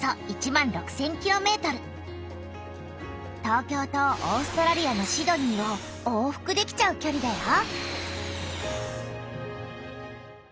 東京とオーストラリアのシドニーを往復できちゃうきょりだよ。